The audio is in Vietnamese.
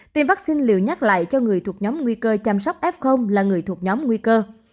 tiêm vắc xin liều nhắc lại cho người thuộc nhóm nguy cơ chăm sóc f là người thuộc nhóm nguy cơ